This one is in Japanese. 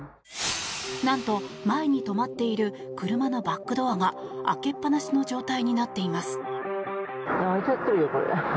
なんと、前に止まっている車のバックドアが開けっぱなしの状態になっています。